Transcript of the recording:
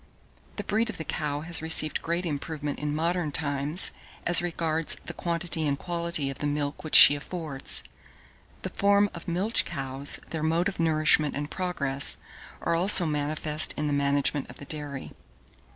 The breed of the cow has received great improvement in modern times, as regards the quantity and quality of the milk which she affords; the form of milch cows, their mode of nourishment, and progress, are also manifest in the management of the dairy.